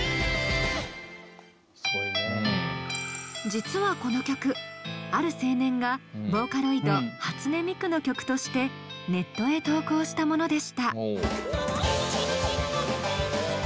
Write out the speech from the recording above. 実はこの曲ある青年がボーカロイド初音ミクの曲としてネットへ投稿したものでした。